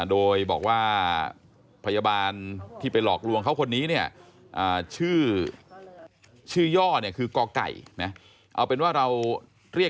โดยบอกว่าพยาบาลที่ไปหลอกลวงเขาคนนี้